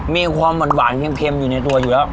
มีความหวานเค็มอยู่ในตัวอยู่แล้ว